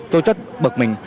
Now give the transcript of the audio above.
tôi rất bực mình